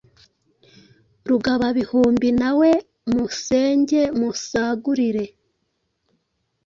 Rugaba-bihumbi, na we musenge musagurire